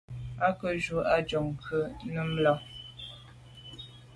À ke njù à njon à ku’ num i là.